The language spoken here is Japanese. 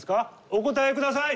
お答えください。